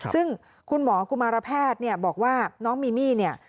ซึ่งคุณหมอกุมารแพทย์เนี่ยบอกว่าน้องมีมี่เนี่ย